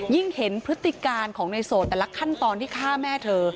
ยิ่งเห็นพฤติการของในโสดแต่ละขั้นตอนที่ฆ่าแม่เธอ